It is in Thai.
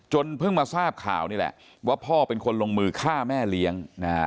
เพิ่งมาทราบข่าวนี่แหละว่าพ่อเป็นคนลงมือฆ่าแม่เลี้ยง